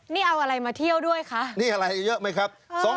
นี่เอาอะไรมาเที่ยวด้วยคะนี่อะไรเยอะไหมครับ